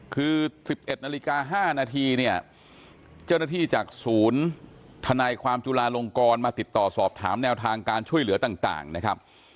คือ๑๑นาฬิกา๕นาทีเนี่ยเจ้าหน้าที่จากศูนย์ธนายความจุลาลงกรมาติดต่อสอบถามแนวทางการช่วยเหลือต่างนะครับ